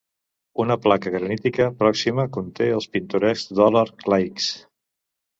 Una placa granítica pròxima conté els pintorescs Dollar Lakes.